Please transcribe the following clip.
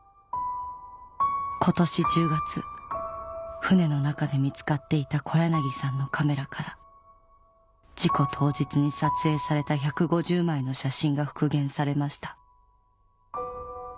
今年１０月船の中で見つかっていた小柳さんのカメラから事故当日に撮影された１５０枚の写真が復元されました